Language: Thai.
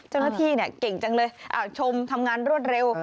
เจ้าหน้าที่เก่งจังเลยชมทำงานรวดเร็ว